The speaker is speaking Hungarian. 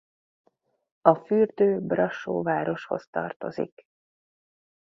A fürdő Brassó városhoz tartozik.